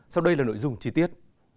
sau đây là nội dung chi tiết